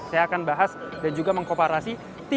saya akan bahas dan juga mengkooparasi